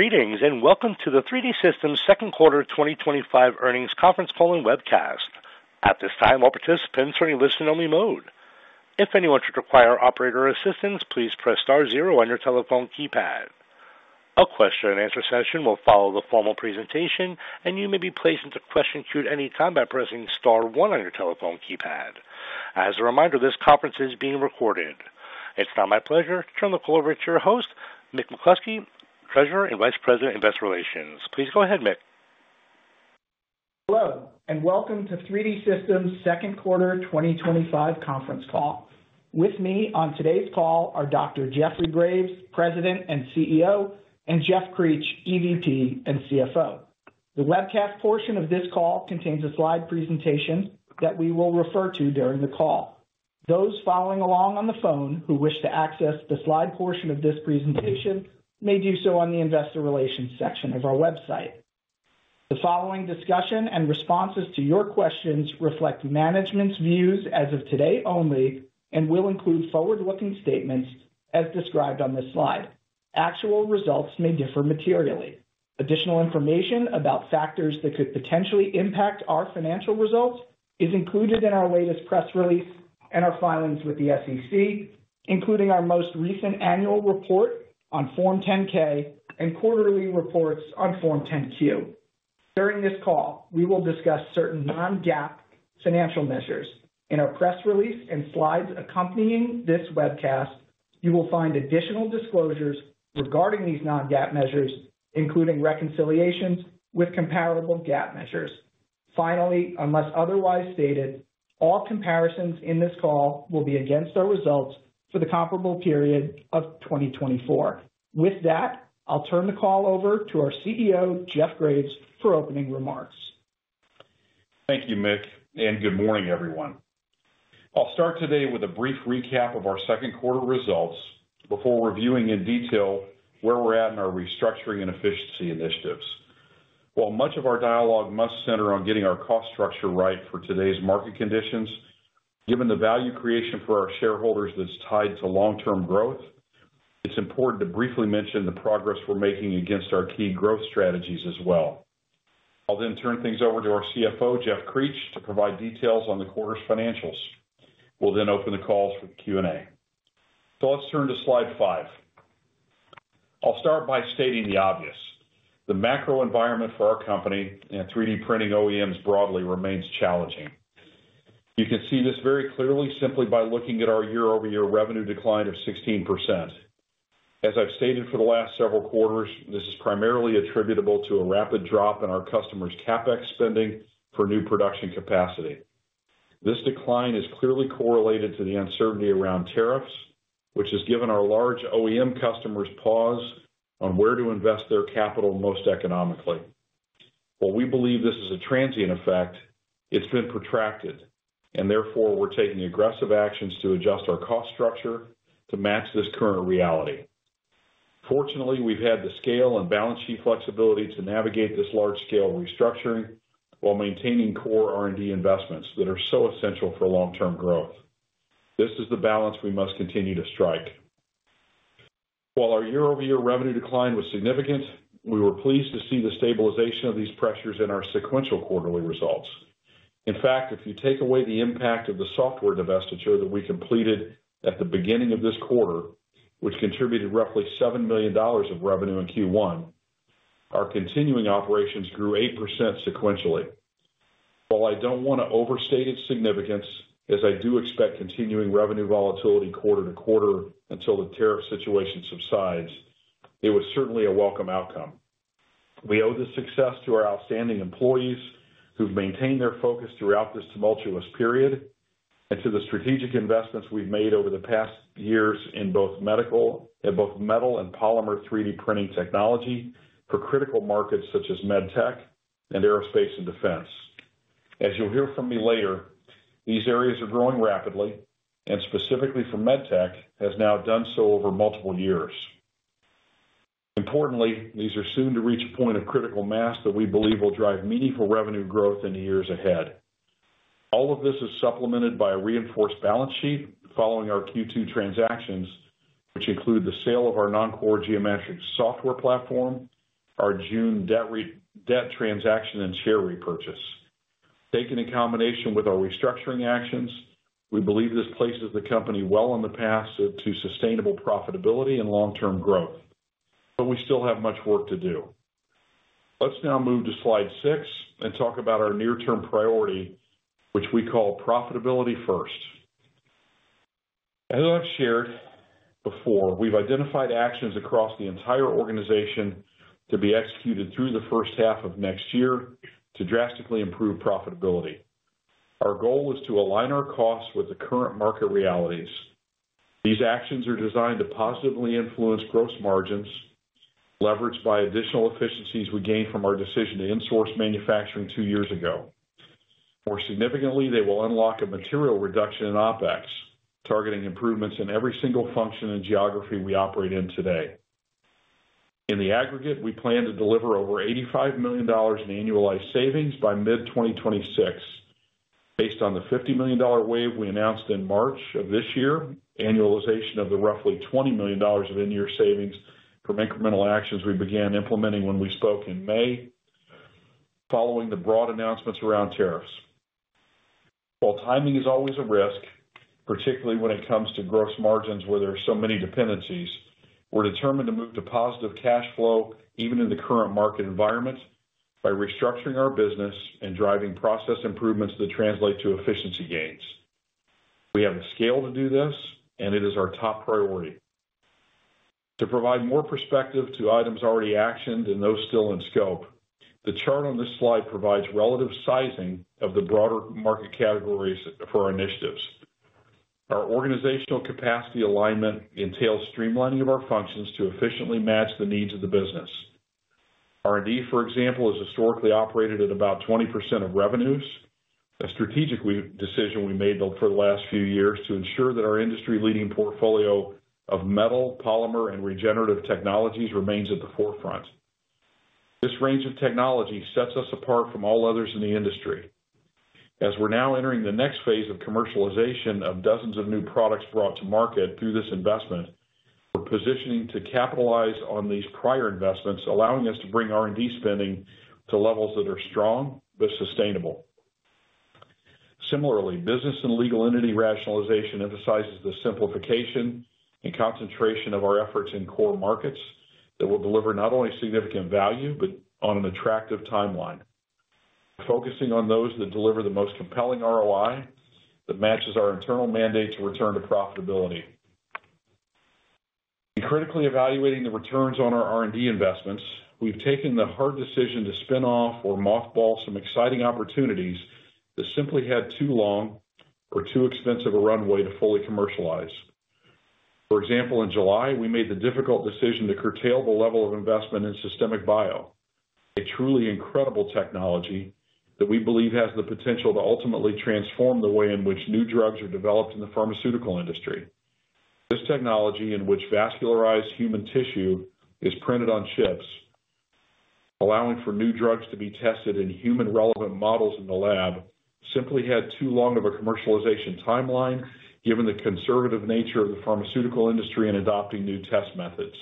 Greetings and welcome to the 3D Systems Second Quarter 2025 Earnings Conference Call and Webcast. At this time, all participants are in listen-only mode. If anyone should require operator assistance, please press star-zero on your telephone keypad. A question and answer session will follow the formal presentation, and you may be placed into the question queue at any time by pressing star-one on your telephone keypad. As a reminder, this conference is being recorded. It's now my pleasure to turn the call over to your host, Mick McCloskey, Treasurer and Vice President of Investor Relations. Please go ahead, Mick. Hello and welcome to 3D Systems' Second Quarter 2025 Conference Call. With me on today's call are Dr. Jeffrey Graves, President and CEO, and Jeff Creech, EVP and CFO. The webcast portion of this call contains a slide presentation that we will refer to during the call. Those following along on the phone who wish to access the slide portion of this presentation may do so on the Investor Relations section of our website. The following discussion and responses to your questions reflect management's views as of today only and will include forward-looking statements as described on this slide. Actual results may differ materially. Additional information about factors that could potentially impact our financial results is included in our latest press release and our filings with the SEC, including our most recent annual report on Form 10-K and quarterly reports on Form 10-Q. During this call, we will discuss certain non-GAAP financial measures. In our press release and slides accompanying this webcast, you will find additional disclosures regarding these non-GAAP measures, including reconciliations with comparable GAAP measures. Finally, unless otherwise stated, all comparisons in this call will be against our results for the comparable period of 2024. With that, I'll turn the call over to our CEO, Dr. Jeffrey Graves, for opening remarks. Thank you, Mick, and good morning, everyone. I'll start today with a brief recap of our second quarter results before reviewing in detail where we're at in our restructuring and efficiency initiatives. While much of our dialogue must center on getting our cost structure right for today's market conditions, given the value creation for our shareholders that's tied to long-term growth, it's important to briefly mention the progress we're making against our key growth strategies as well. I'll then turn things over to our CFO, Jeff Creech, to provide details on the quarter's financials. We'll then open the calls for Q&A. Let's turn to slide five. I'll start by stating the obvious. The macro-environment for our company and 3D printing OEMs broadly remains challenging. You can see this very clearly simply by looking at our year-over-year revenue decline of 16%. As I've stated for the last several quarters, this is primarily attributable to a rapid drop in our customers' CapEx spending for new production capacity. This decline is clearly correlated to the uncertainty around tariffs, which has given our large OEM customers pause on where to invest their capital most economically. While we believe this is a transient effect, it's been protracted, and therefore we're taking aggressive actions to adjust our cost structure to match this current reality. Fortunately, we've had the scale and balance sheet flexibility to navigate this large-scale restructuring while maintaining core R&D investments that are so essential for long-term growth. This is the balance we must continue to strike. While our year-over-year revenue decline was significant, we were pleased to see the stabilization of these pressures in our sequential quarterly results. In fact, if you take away the impact of the software divestiture that we completed at the beginning of this quarter, which contributed roughly $7 million of revenue in Q1, our continuing operations grew 8% sequentially. While I don't want to overstate its significance, as I do expect continuing revenue volatility quarter-to-quarter until the tariff situation subsides, it was certainly a welcome outcome. We owe this success to our outstanding employees who've maintained their focus throughout this tumultuous period and to the strategic investments we've made over the past years in both medical and polymer 3D printing technology for critical markets such as medtech and aerospace and defense. As you'll hear from me later, these areas are growing rapidly, and specifically for medtech has now done so over multiple years. Importantly, these are soon to reach a point of critical mass that we believe will drive meaningful revenue growth in the years ahead. All of this is supplemented by a reinforced balance sheet following our Q2 transactions, which include the sale of our non-core Geomagic software platform, our June debt transaction, and share repurchase. Taken in combination with our restructuring actions, we believe this places the company well in the path to sustainable profitability and long-term growth. We still have much work to do. Let's now move to slide six and talk about our near-term priority, which we call Profitability First. As I've shared before, we've identified actions across the entire organization to be executed through the first half of next year to drastically improve profitability. Our goal is to align our costs with the current market realities. These actions are designed to positively influence gross margins, leveraged by additional efficiencies we gained from our decision to insource manufacturing two years ago. More significantly, they will unlock a material reduction in OpEx, targeting improvements in every single function and geography we operate in today. In the aggregate, we plan to deliver over $85 million in annualized savings by mid-2026. Based on the $50 million wave we announced in March of this year, annualization of the roughly $20 million of in-year savings from incremental actions we began implementing when we spoke in May, following the broad announcements around tariffs. While timing is always a risk, particularly when it comes to gross margins where there are so many dependencies, we're determined to move to positive cash flow even in the current market environment by restructuring our business and driving process improvements that translate to efficiency gains. We have the scale to do this, and it is our top priority. To provide more perspective to items already actioned and those still in scope, the chart on this slide provides relative sizing of the broader market categories for our initiatives. Our organizational capacity alignment entails streamlining of our functions to efficiently match the needs of the business. R&D, for example, has historically operated at about 20% of revenues, a strategic decision we made for the last few years to ensure that our industry-leading portfolio of metal, polymer, and regenerative technologies remains at the forefront. This range of technology sets us apart from all others in the industry. As we're now entering the next phase of commercialization of dozens of new products brought to market through this investment, we're positioning to capitalize on these prior investments, allowing us to bring R&D spending to levels that are strong but sustainable. Similarly, business and legal entity rationalization emphasizes the simplification and concentration of our efforts in core markets that will deliver not only significant value but on an attractive timeline. We're focusing on those that deliver the most compelling ROI that matches our internal mandate to return to profitability. We're critically evaluating the returns on our R&D investments. We've taken the hard decision to spin off or mothball some exciting opportunities that simply had too long or too expensive a runway to fully commercialize. For example, in July, we made the difficult decision to curtail the level of investment in Systemic Bio, a truly incredible technology that we believe has the potential to ultimately transform the way in which new drugs are developed in the pharmaceutical industry. This technology, in which vascularized human tissue is printed on chips, allowing for new drugs to be tested in human-relevant models in the lab, simply had too long of a commercialization timeline given the conservative nature of the pharmaceutical industry in adopting new test methods.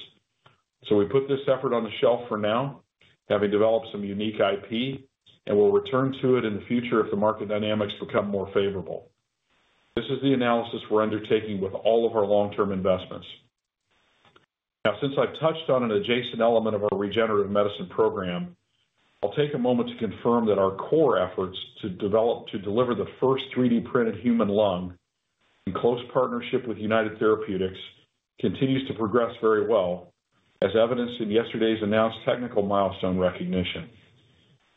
We put this effort on the shelf for now, having developed some unique IP, and we'll return to it in the future if the market dynamics become more favorable. This is the analysis we're undertaking with all of our long-term investments. Now, since I've touched on an adjacent element of our regenerative medicine program, I'll take a moment to confirm that our core efforts to develop to deliver the first 3D-printed human lung in close partnership with United Therapeutics continue to progress very well, as evidenced in yesterday's announced technical milestone recognition.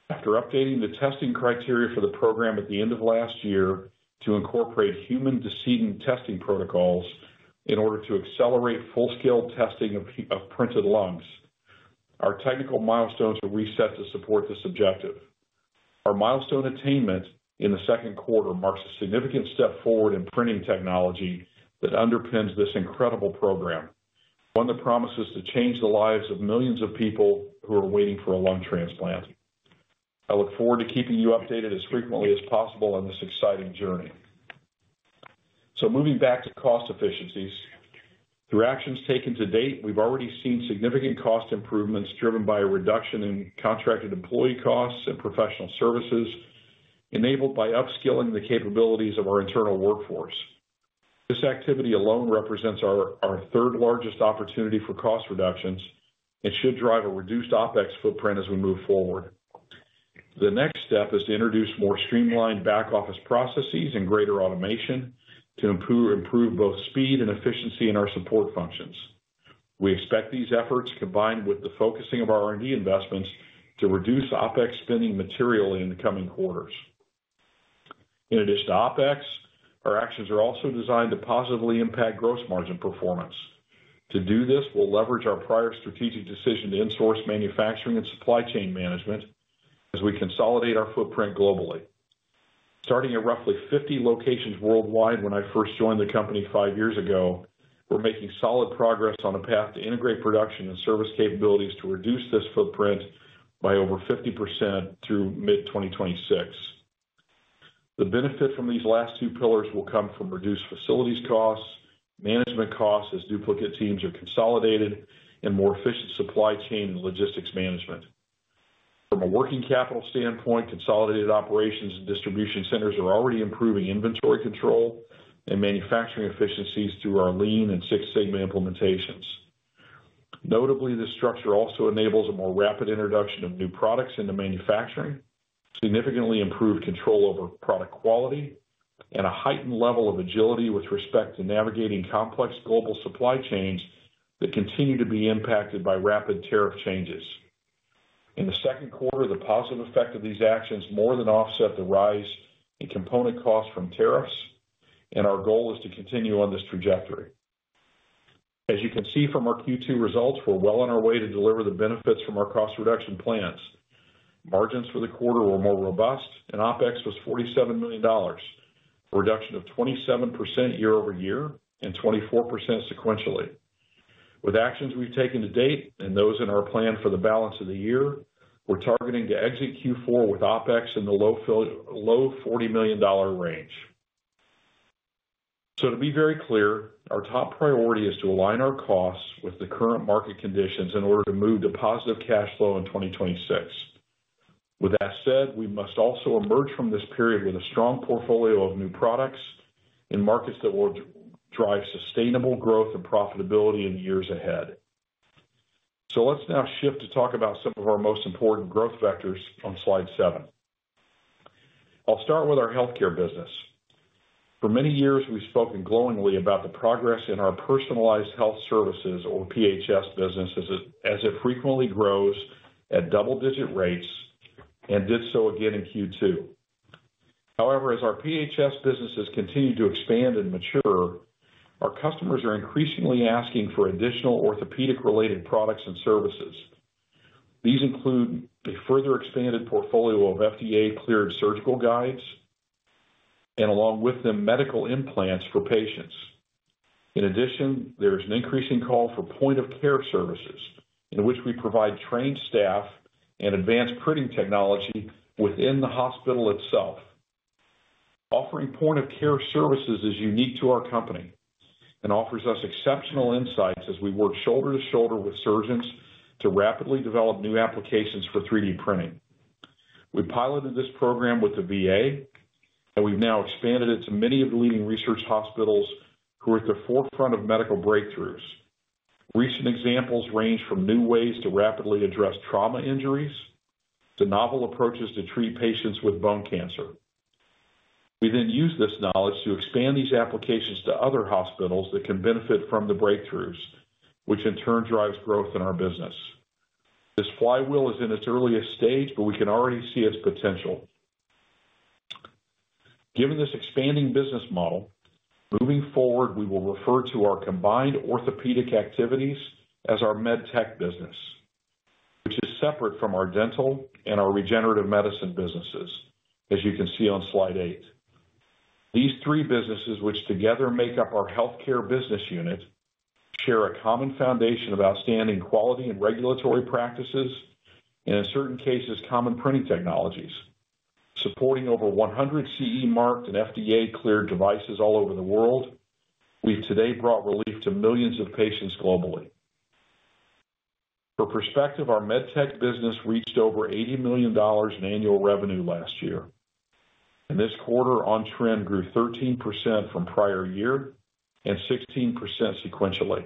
After updating the testing criteria for the program at the end of last year to incorporate human decedent testing protocols in order to accelerate full-scale testing of printed lungs, our technical milestones are reset to support this objective. Our milestone attainment in the second quarter marks a significant step forward in printing technology that underpins this incredible program, one that promises to change the lives of millions of people who are waiting for a lung transplant. I look forward to keeping you updated as frequently as possible on this exciting journey. Moving back to cost efficiencies, through actions taken to date, we've already seen significant cost improvements driven by a reduction in contracted employee costs and professional services enabled by upskilling the capabilities of our internal workforce. This activity alone represents our third largest opportunity for cost reductions and should drive a reduced OpEx footprint as we move forward. The next step is to introduce more streamlined back-office processes and greater automation to improve both speed and efficiency in our support functions. We expect these efforts, combined with the focusing of our R&D investments, to reduce OpEx spending materially in the coming quarters. In addition to OpEx, our actions are also designed to positively impact gross margin performance. To do this, we'll leverage our prior strategic decision to insource manufacturing and supply chain management as we consolidate our footprint globally. Starting at roughly 50 locations worldwide when I first joined the company five years ago, we're making solid progress on a path to integrate production and service capabilities to reduce this footprint by over 50% through mid-2026. The benefit from these last two pillars will come from reduced facilities costs, management costs as duplicate teams are consolidated, and more efficient supply chain and logistics management. From a working capital standpoint, consolidated operations and distribution centers are already improving inventory control and manufacturing efficiencies through our lean and six-segment implementations. Notably, this structure also enables a more rapid introduction of new products into manufacturing, significantly improved control over product quality, and a heightened level of agility with respect to navigating complex global supply chains that continue to be impacted by rapid tariff changes. In the second quarter, the positive effect of these actions more than offset the rise in component costs from tariffs, and our goal is to continue on this trajectory. As you can see from our Q2 results, we're well on our way to deliver the benefits from our cost reduction plans. Margins for the quarter were more robust, and OpEx was $47 million, a reduction of 27% year-over-year and 24% sequentially. With actions we've taken to date and those in our plan for the balance of the year, we're targeting to exit Q4 with OpEx in the low $40 million range. To be very clear, our top priority is to align our costs with the current market conditions in order to move to positive cash flow in 2026. With that said, we must also emerge from this period with a strong portfolio of new products in markets that will drive sustainable growth and profitability in the years ahead. Let's now shift to talk about some of our most important growth vectors on slide seven. I'll start with our healthcare business. For many years, we've spoken glowingly about the progress in our personalized health services, or PHS, businesses as it frequently grows at double-digit rates and did so again in Q2. However, as our PHS businesses continue to expand and mature, our customers are increasingly asking for additional orthopedic-related products and services. These include a further expanded portfolio of FDA-cleared surgical guides and, along with them, medical implants for patients. In addition, there's an increasing call for Point-of-care services in which we provide trained staff and advanced printing technology within the hospital itself. Offering Point-of-care services is unique to our company and offers us exceptional insights as we work shoulder to shoulder with surgeons to rapidly develop new applications for 3D printing. We piloted this program with the VA, and we've now expanded it to many of the leading research hospitals who are at the forefront of medical breakthroughs. Recent examples range from new ways to rapidly address trauma injuries to novel approaches to treat patients with bone cancer. We then use this knowledge to expand these applications to other hospitals that can benefit from the breakthroughs, which in turn drives growth in our business. This flywheel is in its earliest stage, but we can already see its potential. Given this expanding business model, moving forward, we will refer to our combined orthopedic activities as our medtech business, which is separate from our dental and our regenerative medicine businesses, as you can see on slide eight. These three businesses, which together make up our healthcare business unit, share a common foundation of outstanding quality and regulatory practices and, in certain cases, common printing technologies. Supporting over 100 CE-marked and FDA-cleared devices all over the world, we've today brought relief to millions of patients globally. For perspective, our medtech business reached over $80 million in annual revenue last year. This quarter, on trend, grew 13% from prior year and 16% sequentially.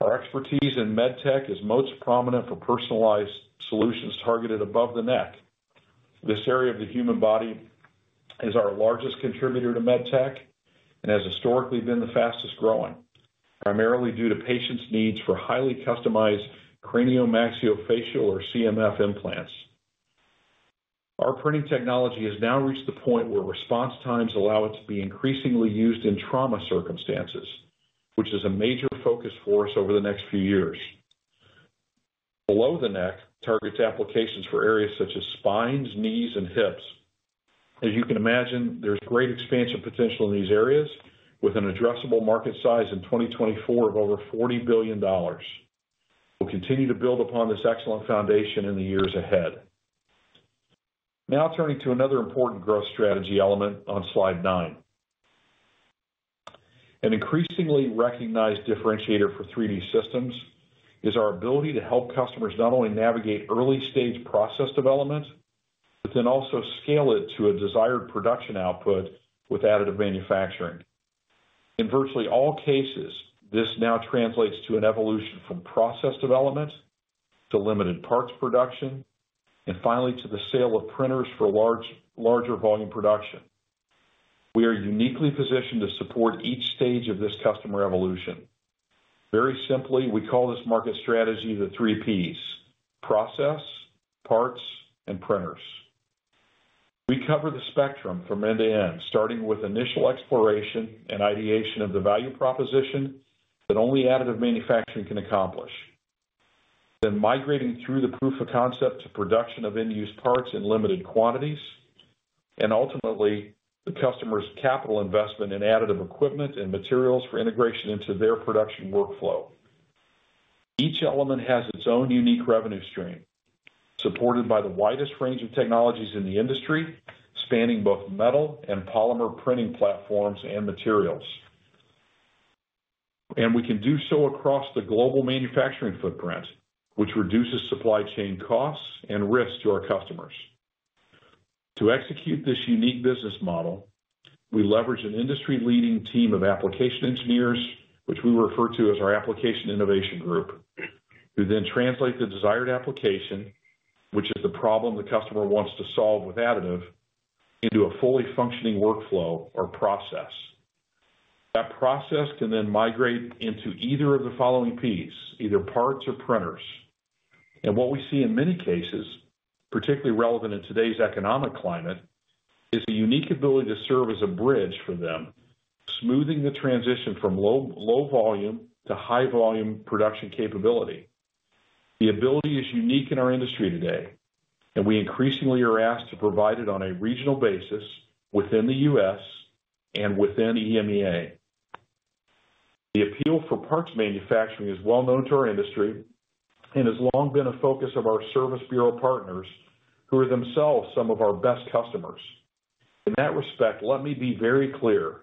Our expertise in medtech is most prominent for personalized solutions targeted above the neck. This area of the human body is our largest contributor to medtech and has historically been the fastest growing, primarily due to patients' needs for highly customized craniomaxillofacial or CMF implants. Our printing technology has now reached the point where response times allow it to be increasingly used in trauma circumstances, which is a major focus for us over the next few years. Below the neck targets applications for areas such as spines, knees, and hips. As you can imagine, there's great expansion potential in these areas with an addressable market size in 2024 of over $40 billion. We'll continue to build upon this excellent foundation in the years ahead. Now turning to another important growth strategy element on slide nine. An increasingly recognized differentiator for 3D Systems is our ability to help customers not only navigate early-stage process development but then also scale it to a desired production output with additive manufacturing. In virtually all cases, this now translates to an evolution from process development to limited parts production and finally to the sale of printers for larger volume production. We are uniquely positioned to support each stage of this customer evolution. Very simply, we call this market strategy the three P's: Process, Parts, and Printers. We cover the spectrum from end to end, starting with initial exploration and ideation of the value proposition that only additive manufacturing can accomplish, then migrating through the proof of concept to production of end-use parts in limited quantities, and ultimately the customer's capital investment in additive equipment and materials for integration into their production workflow. Each element has its own unique revenue stream, supported by the widest range of technologies in the industry, spanning both metal and polymer printing platforms and materials. We can do so across the global manufacturing footprint, which reduces supply chain costs and risks to our customers. To execute this unique business model, we leverage an industry-leading team of application engineers, which we refer to as our Application Innovation Group, who then translate the desired application, which is the problem the customer wants to solve with additive, into a fully functioning workflow or process. That process can then migrate into either of the following P's: either parts or printers. What we see in many cases, particularly relevant in today's economic climate, is the unique ability to serve as a bridge for them, moving the transition from low volume to high volume production capability. The ability is unique in our industry today, and we increasingly are asked to provide it on a regional basis within the U.S. and within EMEA. The appeal for parts manufacturing is well known to our industry and has long been a focus of our Service Bureau partners, who are themselves some of our best customers. In that respect, let me be very clear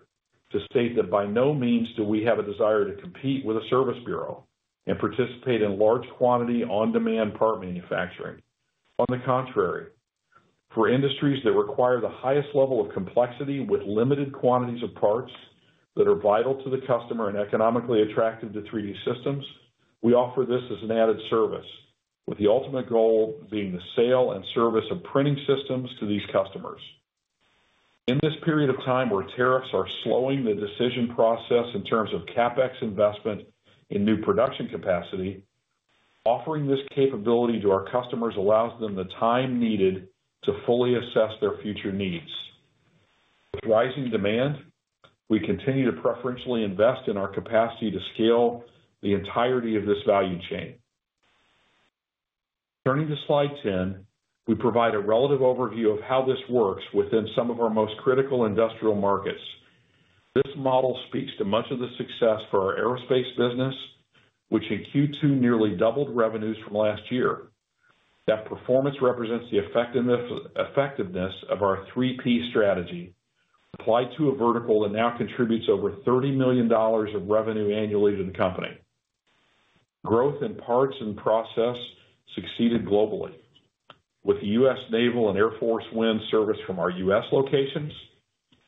to state that by no means do we have a desire to compete with a Service Bureau and participate in large quantity on-demand part manufacturing. On the contrary, for industries that require the highest level of complexity with limited quantities of parts that are vital to the customer and economically attractive to 3D Systems, we offer this as an added service, with the ultimate goal being the sale and service of printing systems to these customers. In this period of time where tariffs are slowing the decision process in terms of CapEx investment in new production capacity, offering this capability to our customers allows them the time needed to fully assess their future needs. With rising demand, we continue to preferentially invest in our capacity to scale the entirety of this value chain. Turning to slide 10, we provide a relative overview of how this works within some of our most critical industrial markets. This model speaks to much of the success for our aerospace business, which in Q2 nearly doubled revenues from last year. That performance represents the effectiveness of our 3P strategy applied to a vertical that now contributes over $30 million of revenue annually to the company. Growth in parts and process succeeded globally, with the U.S. Naval and Air Force wind service from our U.S. locations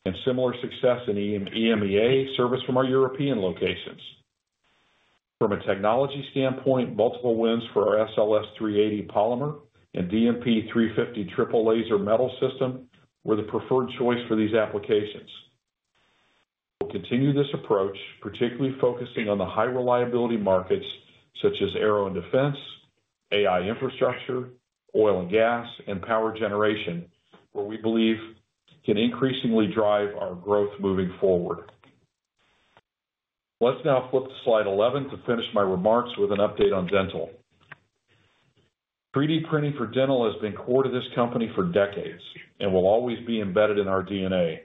and similar success in EMEA service from our European locations. From a technology standpoint, multiple wins for our SLS 380 Polymer and DMP 350 Triple Laser metal system were the preferred choice for these applications. We continue this approach, particularly focusing on the high-reliability markets such as aero and defense, AI infrastructure, oil and gas, and power generation, where we believe we can increasingly drive our growth moving forward. Let's now flip to slide 11 to finish my remarks with an update on dental. 3D printing for dental has been core to this company for decades and will always be embedded in our DNA.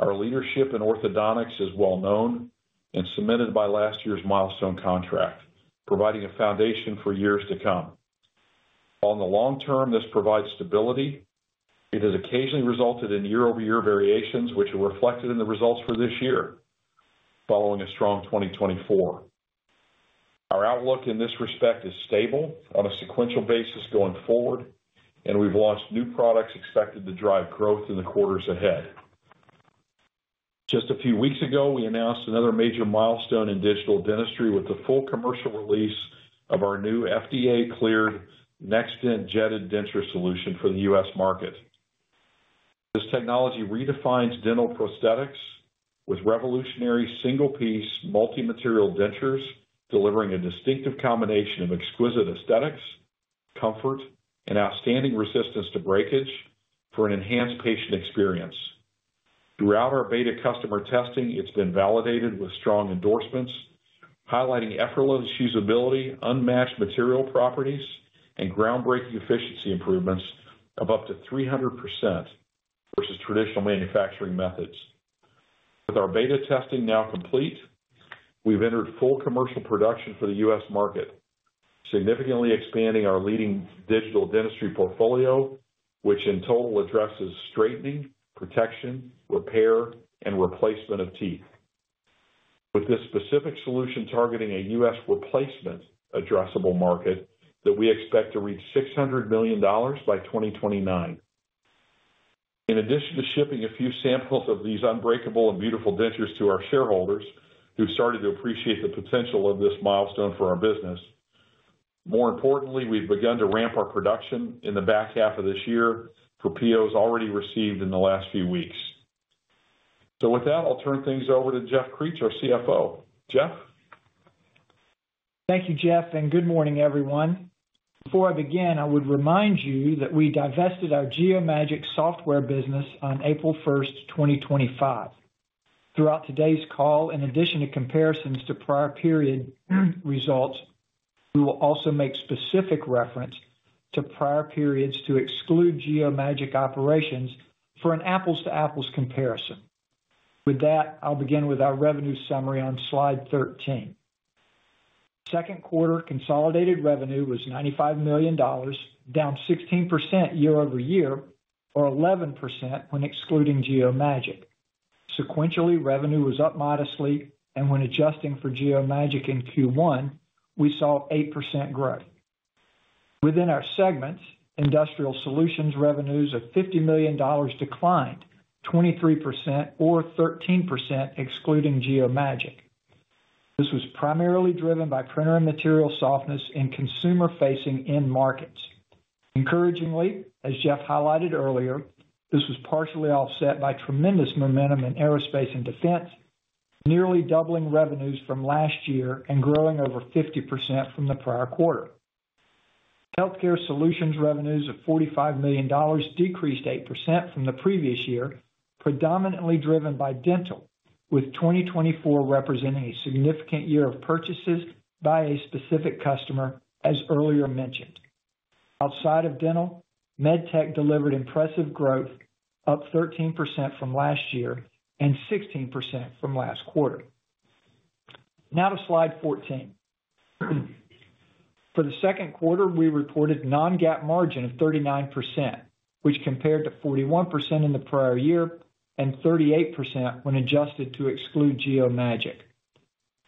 Our leadership in orthodontics is well known and cemented by last year's milestone contract, providing a foundation for years to come. On the long term, this provides stability. It has occasionally resulted in year-over-year variations, which are reflected in the results for this year, following a strong 2024. Our outlook in this respect is stable on a sequential basis going forward, and we've launched new products expected to drive growth in the quarters ahead. Just a few weeks ago, we announced another major milestone in digital dentistry with the full commercial release of our new FDA-cleared NextDent jetted denture solution for the U.S. market. This technology redefines dental prosthetics with revolutionary single-piece multi-material dentures, delivering a distinctive combination of exquisite aesthetics, comfort, and outstanding resistance to breakage for an enhanced patient experience. Throughout our beta customer testing, it's been validated with strong endorsements, highlighting effortless usability, unmatched material properties, and groundbreaking efficiency improvements of up to 300% versus traditional manufacturing methods. With our beta testing now complete, we've entered full commercial production for the U.S. market, significantly expanding our leading digital dentistry portfolio, which in total addresses straightening, protection, repair, and replacement of teeth. With this specific solution targeting a U.S. replacement addressable market that we expect to reach $600 million by 2029. In addition to shipping a few samples of these unbreakable and beautiful dentures to our shareholders, who've started to appreciate the potential of this milestone for our business, more importantly, we've begun to ramp our production in the back half of this year for POs already received in the last few weeks. I'll turn things over to Jeff Creech, our CFO. Jeff? Thank you, Jeff, and good morning, everyone. Before I begin, I would remind you that we divested our Geomagic software business on April 1, 2025. Throughout today's call, in addition to comparisons to prior period results, we will also make specific reference to prior periods to exclude Geomagic operations for an apples-to-apples comparison. With that, I'll begin with our revenue summary on slide 13. Second quarter consolidated revenue was $95 million, down 16% year-over-year or 11% when excluding Geomagic. Sequentially, revenue was up modestly, and when adjusting for Geomagic in Q1, we saw 8% growth. Within our segments, industrial solutions revenues of $50 million declined 23% or 13% excluding Geomagic. This was primarily driven by printer and material softness in consumer-facing end markets. Encouragingly, as Jeff highlighted earlier, this was partially offset by tremendous momentum in aerospace and defense, nearly doubling revenues from last year and growing over 50% from the prior quarter. Healthcare solutions revenues of $45 million decreased 8% from the previous year, predominantly driven by dental, with 2024 representing a significant year of purchases by a specific customer, as earlier mentioned. Outside of dental, medtech delivered impressive growth, up 13% from last year and 16% from last quarter. Now to slide 14. For the second quarter, we reported a non-GAAP margin of 39%, which compared to 41% in the prior year and 38% when adjusted to exclude Geomagic.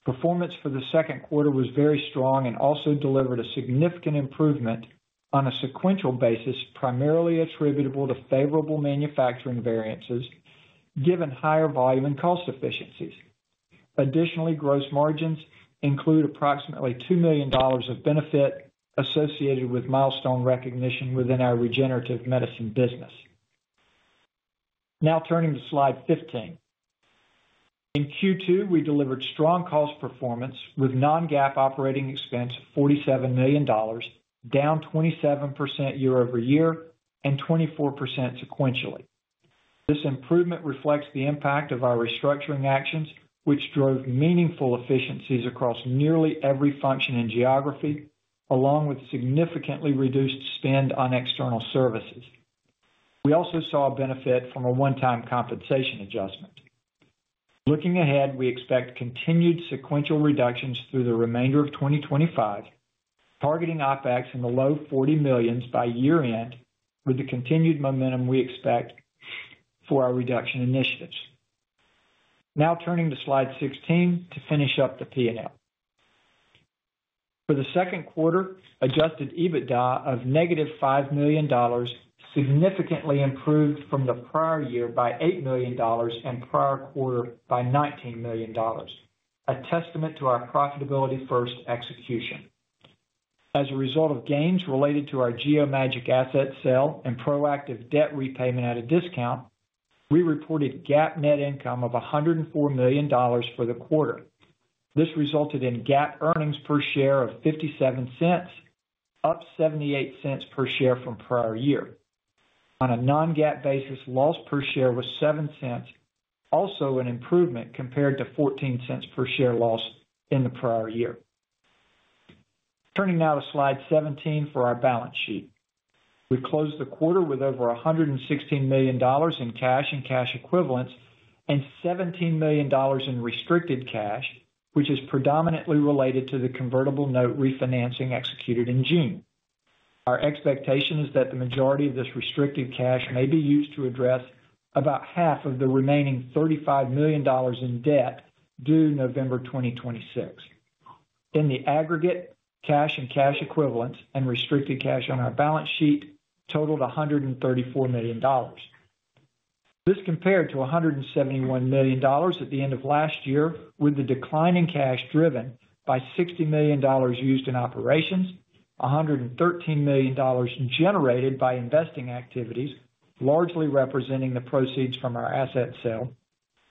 Performance for the second quarter was very strong and also delivered a significant improvement on a sequential basis, primarily attributable to favorable manufacturing variances, given higher volume and cost efficiencies. Additionally, gross margins include approximately $2 million of benefit associated with milestone recognition within our regenerative medicine business. Now turning to slide 15. In Q2, we delivered strong cost performance with non-GAAP operating expense of $47 million, down 27% year-over-year and 24% sequentially. This improvement reflects the impact of our restructuring actions, which drove meaningful efficiencies across nearly every function in geography, along with significantly reduced spend on external services. We also saw a benefit from a one-time compensation adjustment. Looking ahead, we expect continued sequential reductions through the remainder of 2025, targeting OpEx in the low $40 million by year-end, with the continued momentum we expect for our reduction initiatives. Now turning to slide 16 to finish up the P&L. For the second quarter, adjusted EBITDA of -$5 million, significantly improved from the prior year by $8 million and prior quarter by $19 million, a testament to our profitability-first execution. As a result of gains related to our Geomagic asset sale and proactive debt repayment at a discount, we reported GAAP net income of $104 million for the quarter. This resulted in GAAP earnings per share of $0.57, up $0.78/share from prior year. On a non-GAAP basis, loss per share was $0.07, also an improvement compared to $0.14/share loss in the prior year. Turning now to slide 17 for our balance sheet. We closed the quarter with over $116 million in cash and cash equivalents and $17 million in restricted cash, which is predominantly related to the convertible note refinancing executed in June. Our expectation is that the majority of this restricted cash may be used to address about half of the remaining $35 million in debt due November 2026. In the aggregate, cash and cash equivalents and restricted cash on our balance sheet totaled $134 million. This compared to $171 million at the end of last year, with the decline in cash driven by $60 million used in operations, $113 million generated by investing activities, largely representing the proceeds from our asset sale,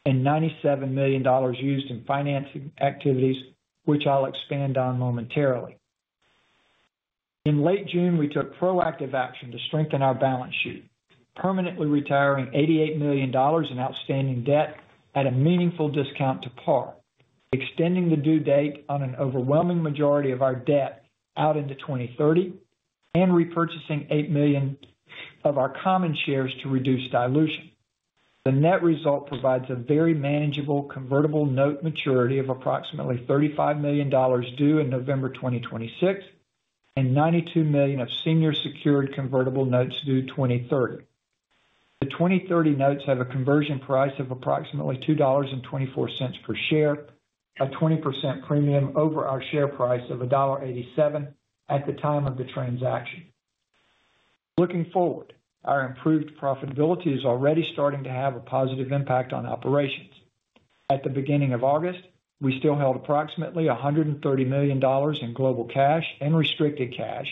and $97 million used in financing activities, which I'll expand on momentarily. In late June, we took proactive action to strengthen our balance sheet, permanently retiring $88 million in outstanding debt at a meaningful discount to par, extending the due date on an overwhelming majority of our debt out into 2030, and repurchasing $8 million of our common shares to reduce dilution. The net result provides a very manageable convertible note maturity of approximately $35 million due in November 2026 and $92 million of senior secured convertible notes due 2030. The 2030 notes have a conversion price of approximately $2.24/share, a 20% premium over our share price of $1.87 at the time of the transaction. Looking forward, our improved profitability is already starting to have a positive impact on operations. At the beginning of August, we still held approximately $130 million in global cash and restricted cash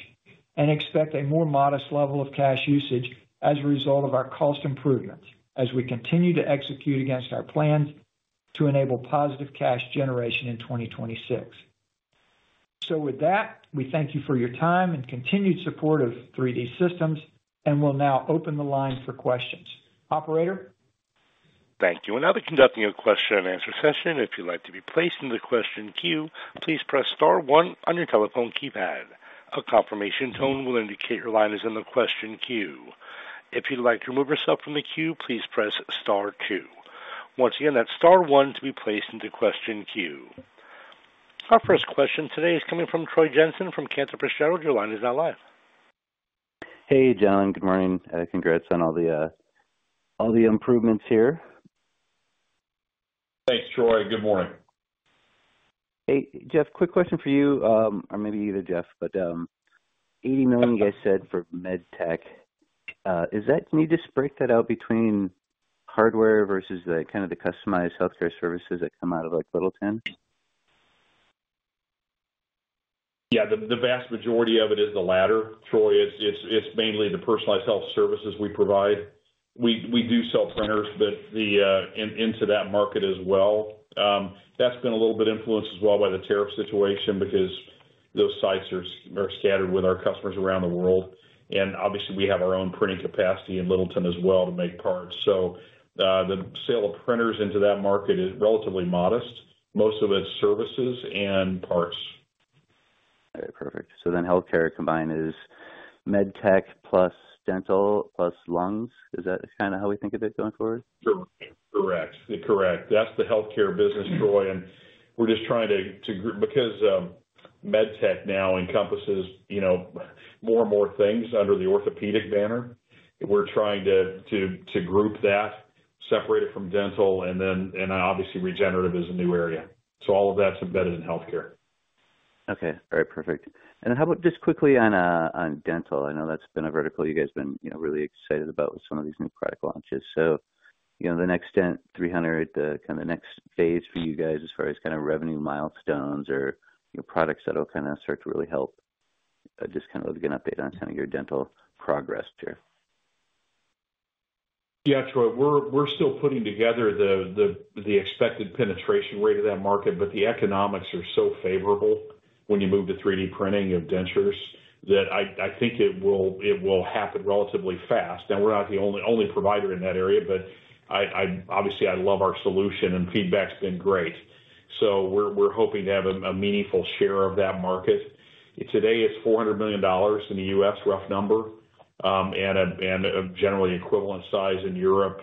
and expect a more modest level of cash usage as a result of our cost improvements as we continue to execute against our plans to enable positive cash generation in 2026. We thank you for your time and continued support of 3D Systems, and we'll now open the line for questions. Operator? Thank you. Now to conducting a question and answer session. If you'd like to be placed in the question queue, please press star-one on your telephone keypad. A confirmation tone will indicate your line is in the question queue. If you'd like to remove yourself from the queue, please press star-two. Once again, that's star-one to be placed into question queue. Our first question today is coming from Troy Jensen from Cantor Fitzgerald. Your line is now live. Hey, John. Good morning. Congrats on all the improvements here. Thanks, Troy. Good morning. Hey, Jeff. Quick question for you, or maybe either Jeff, but $80 million you guys said for medtech. Is that, do you need to just break that out between hardware versus the kind of the customized healthcare services that come out of, like, Littleton? Yeah. The vast majority of it is the latter, Troy. It's mainly the personalized health services we provide. We do sell printers into that market as well. It's been a little bit influenced as well by the tariff situation because those sites are scattered with our customers around the world. Obviously, we have our own printing capacity in Littleton as well to make parts. The sale of printers into that market is relatively modest. Most of it's services and parts. Okay. Perfect. Is healthcare combined medtech plus dental plus lungs? Is that kind of how we think of it going forward? Correct. That's the healthcare business, Troy. We're just trying to group because medtech now encompasses, you know, more and more things under the orthopedic banner. We're trying to group that, separate it from dental, and obviously, regenerative is a new area. All of that's embedded in healthcare. Okay. All right. Perfect. How about just quickly on dental? I know that's been a vertical you guys have been really excited about with some of these new product launches. The NextDent 300, the kind of the next phase for you guys as far as kind of revenue milestones or products that'll kind of start to really help, just kind of a good update on kind of your dental progress here. Yeah, Troy, we're still putting together the expected penetration rate of that market, but the economics are so favorable when you move to 3D printing of dentures that I think it will happen relatively fast. Now, we're not the only provider in that area, but I obviously, I love our solution and feedback's been great. We're hoping to have a meaningful share of that market. Today, it's $400 million in the U.S., rough number, and a generally equivalent size in Europe,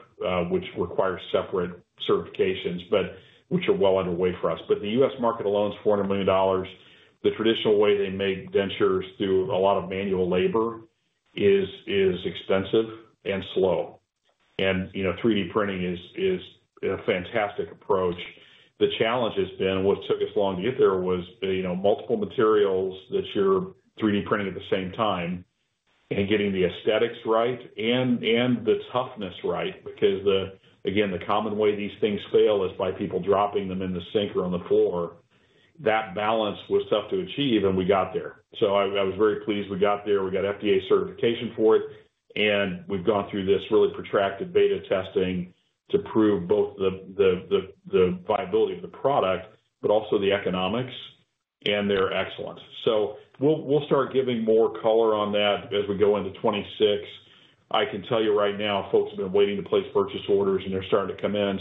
which requires separate certifications, but which are well underway for us. The U.S. market alone is $400 million. The traditional way they make dentures through a lot of manual labor is expensive and slow. You know, 3D printing is a fantastic approach. The challenge has been what took us long to get there was, you know, multiple materials that you're 3D printing at the same time and getting the aesthetics right and the toughness right because, again, the common way these things fail is by people dropping them in the sink or on the floor. That balance was tough to achieve, and we got there. I was very pleased we got there. We got FDA certification for it. We've gone through this really protracted beta testing to prove both the viability of the product, but also the economics and their excellence. We'll start giving more color on that as we go into 2026. I can tell you right now, folks have been waiting to place purchase orders, and they're starting to come in.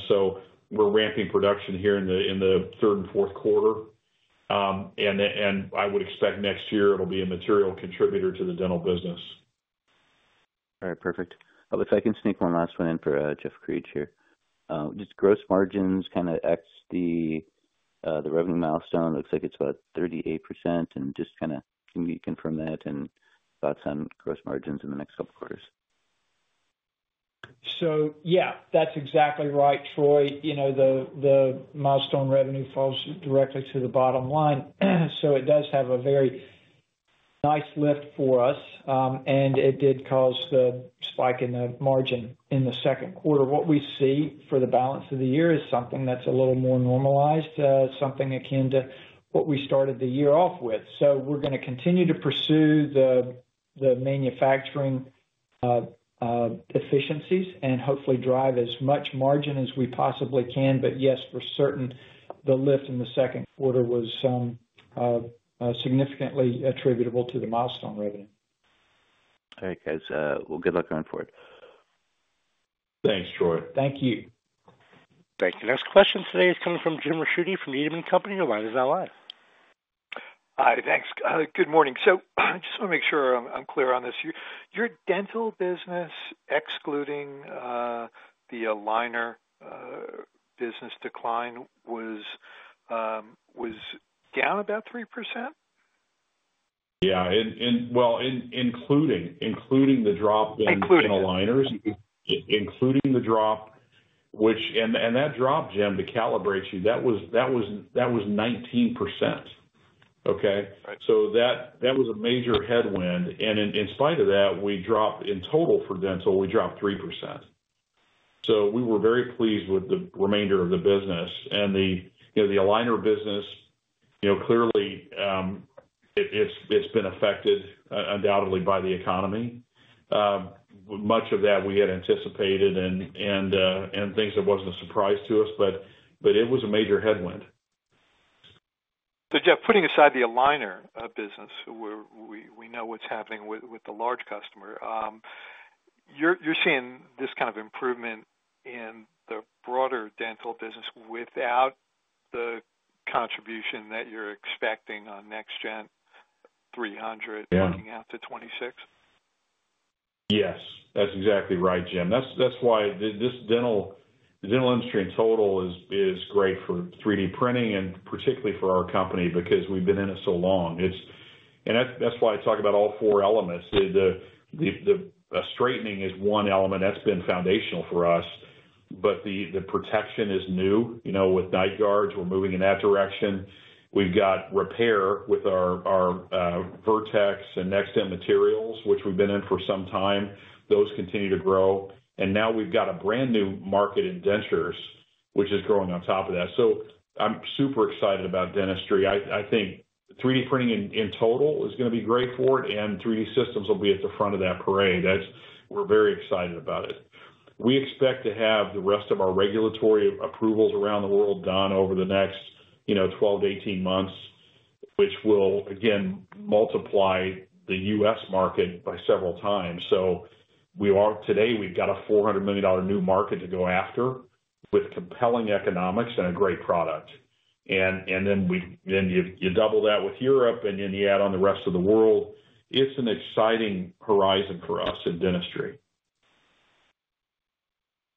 We're ramping production here in the third and fourth quarter, and I would expect next year it'll be a material contributor to the dental business. All right. Perfect. If I can sneak one last one in for Jeff Creech here, just gross margins kind of exceed the revenue milestone. It looks like it's about 38%. Can you confirm that and thoughts on gross margins in the next couple of quarters? Yes, that's exactly right, Troy. The milestone revenue falls directly to the bottom line, so it does have a very nice lift for us. It did cause the spike in the margin in the second quarter. What we see for the balance of the year is something that's a little more normalized, something akin to what we started the year off with. We're going to continue to pursue the manufacturing efficiencies and hopefully drive as much margin as we possibly can. Yes, for certain, the lift in the second quarter was significantly attributable to the milestone revenue. All right, guys. Good luck going forward. Thanks, Troy. Thank you. Thank you. Next question today is coming from Jim Rashidi from Needham & Company. Your line is now live. Hi. Thanks. Good morning. I just want to make sure I'm clear on this. Your dental business, excluding the aligner business decline, was down about 3%? Yeah, including the drop in aligners, including the drop, which, and that drop, Jim, to calibrate you, that was 19%. That was a major headwind. In spite of that, we dropped in total for dental, we dropped 3%. We were very pleased with the remainder of the business. The aligner business, you know, clearly, it's been affected undoubtedly by the economy. Much of that we had anticipated and things that wasn't a surprise to us, but it was a major headwind. Jeff, putting aside the aligner business, where we know what's happening with the large customer, you're seeing this kind of improvement in the broader dental business without the contribution that you're expecting on NextDent 300 working out to 2026? Yes, that's exactly right, Jim. That's why the dental industry in total is great for 3D printing and particularly for our company because we've been in it so long. That's why I talk about all four elements. The straightening is one element that's been foundational for us. The protection is new, you know, with night guards. We're moving in that direction. We've got repair with our Vertex and NextDent materials, which we've been in for some time. Those continue to grow. Now we've got a brand new market in dentures, which is growing on top of that. I'm super excited about dentistry. I think 3D printing in total is going to be great for it, and 3D Systems will be at the front of that parade. We're very excited about it. We expect to have the rest of our regulatory approvals around the world done over the next, you know, 12months-18 months, which will again multiply the U.S. market by several times. Today, we've got a $400 million new market to go after with compelling economics and a great product. You double that with Europe, and then you add on the rest of the world. It's an exciting horizon for us in dentistry.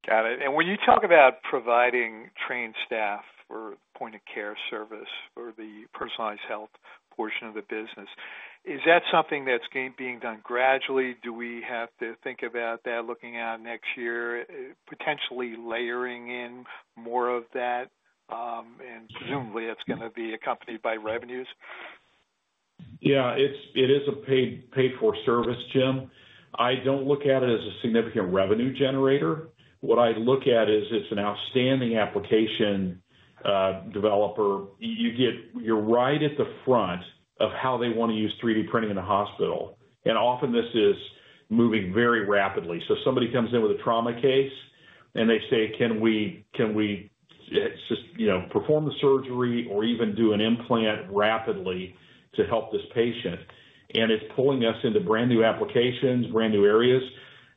Got it. When you talk about providing trained staff for point-of-care service or the personalized health portion of the business, is that something that's being done gradually? Do we have to think about that looking out next year, potentially layering in more of that? Presumably, that's going to be accompanied by revenues? Yeah. It is a paid-for service, Jim. I don't look at it as a significant revenue generator. What I look at is it's an outstanding application developer. You're right at the front of how they want to use 3D printing in a hospital. Often, this is moving very rapidly. Somebody comes in with a trauma case, and they say, "Can we, can we just, you know, perform the surgery or even do an implant rapidly to help this patient?" It's pulling us into brand new applications, brand new areas.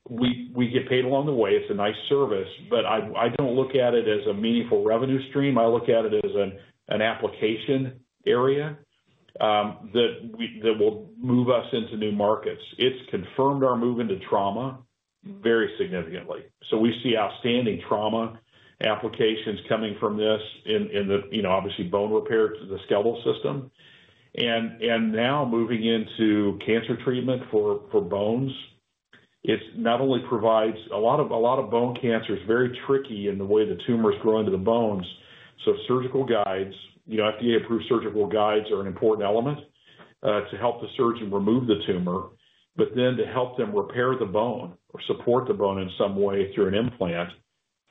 We get paid along the way. It's a nice service, but I don't look at it as a meaningful revenue stream. I look at it as an application area that will move us into new markets. It's confirmed our move into trauma very significantly. We see outstanding trauma applications coming from this in, you know, obviously, bone repair to the skeletal system. Now moving into cancer treatment for bones, it not only provides a lot of bone cancer is very tricky in the way the tumors grow into the bones. Surgical guides, you know, FDA-cleared surgical guides are an important element to help the surgeon remove the tumor, but then to help them repair the bone or support the bone in some way through an implant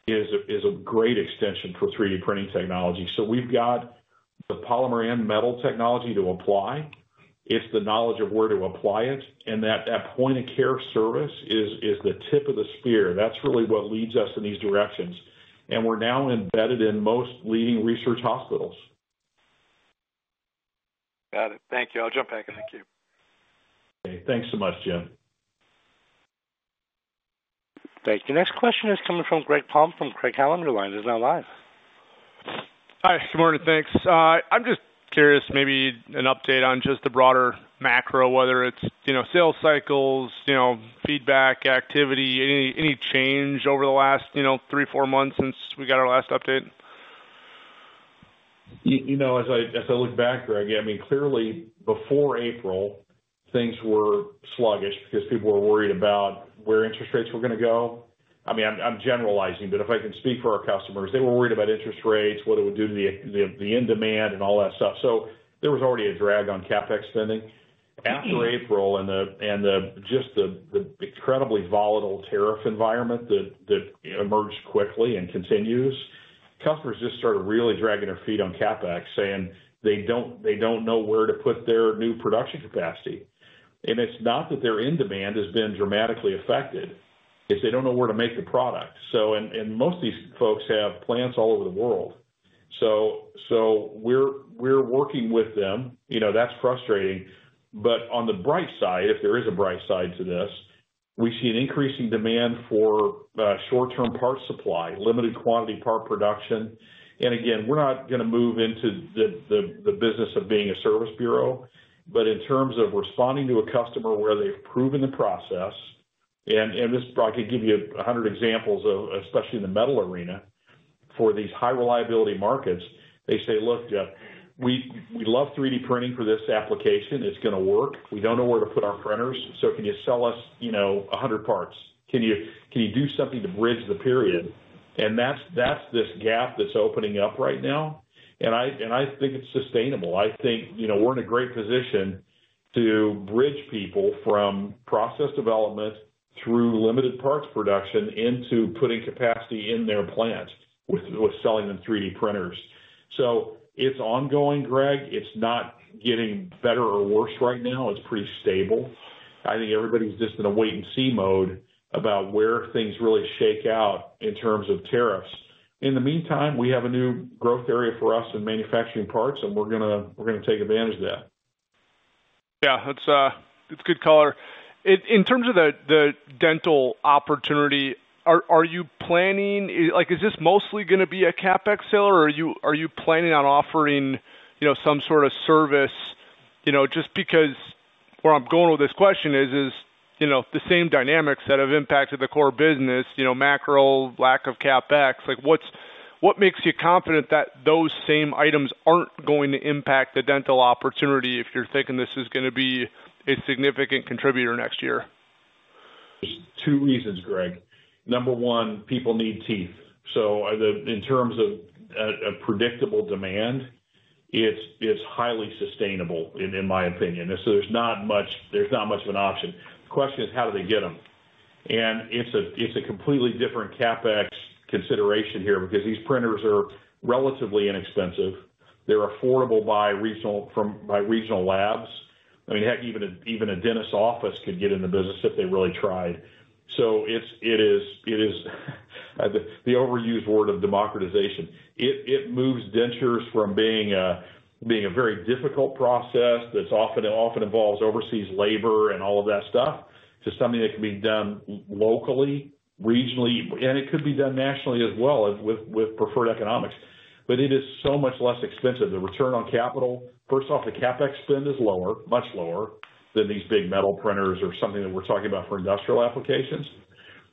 is a great extension for 3D printing technology. We've got the polymer and metal technology to apply. It's the knowledge of where to apply it. That point-of-care service is the tip of the spear. That's really what leads us in these directions. We're now embedded in most leading research hospitals. Got it. Thank you. I'll jump back. Thank you. Okay. Thanks so much, Jim. Thank you. Next question is coming from Greg Palm from Craig-Hallum Capital. Line is now live. Hi. Good morning. Thanks. I'm just curious, maybe an update on just the broader macro, whether it's sales cycles, feedback, activity, any change over the last three, four months since we got our last update? As I look back, Greg, yeah, I mean, clearly, before April, things were sluggish because people were worried about where interest rates were going to go. I'm generalizing, but if I can speak for our customers, they were worried about interest rates, what it would do to the in-demand, and all that stuff. There was already a drag on CapEx spending. After April and the incredibly volatile tariff environment that emerged quickly and continues, customers just started really dragging their feet on CapEx, saying they don't know where to put their new production capacity. It's not that their in-demand has been dramatically affected. It's they don't know where to make the product. Most of these folks have plants all over the world. We're working with them. You know, that's frustrating. On the bright side, if there is a bright side to this, we see an increasing demand for short-term parts supply, limited quantity part production. Again, we're not going to move into the business of being a service bureau, but in terms of responding to a customer where they've proven the process, and I could give you 100 examples of, especially in the metal arena, for these high-reliability markets, they say, "Look, Jeff, we love 3D printing for this application. It's going to work. We don't know where to put our printers. So can you sell us, you know, 100 parts? Can you do something to bridge the period?" That's this gap that's opening up right now. I think it's sustainable. I think we're in a great position to bridge people from process development through limited parts production into putting capacity in their plants with selling them 3D printers. It's ongoing, Greg. It's not getting better or worse right now. It's pretty stable. I think everybody's just in a wait-and-see mode about where things really shake out in terms of tariffs. In the meantime, we have a new growth area for us in manufacturing parts, and we're going to take advantage of that. Yeah. That's a good color. In terms of the dental opportunity, are you planning, like, is this mostly going to be a CapEx seller, or are you planning on offering, you know, some sort of service? Just because where I'm going with this question is, you know, the same dynamics that have impacted the core business, you know, macro, lack of CapEx. What makes you confident that those same items aren't going to impact the dental opportunity if you're thinking this is going to be a significant contributor next year? There's two reasons, Greg. Number one, people need teeth. In terms of a predictable demand, it's highly sustainable, in my opinion. There's not much of an option. The question is, how do they get them? It's a completely different CapEx consideration here because these printers are relatively inexpensive. They're affordable by regional labs. I mean, heck, even a dentist's office could get in the business if they really tried. It is the overused word of democratization. It moves dentures from being a very difficult process that often involves overseas labor and all of that stuff to something that can be done locally, regionally, and it could be done nationally as well with preferred economics. It is so much less expensive. The return on capital, first off, the CapEx spend is lower, much lower than these big metal printers or something that we're talking about for industrial applications.